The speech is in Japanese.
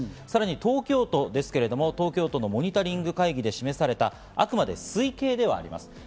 さらに東京都ですけれども東京都のモニタリング会議で示された、あくまで推計ではあります。